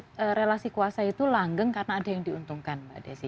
karena relasi kuasa itu langgeng karena ada yang diuntungkan mbak desi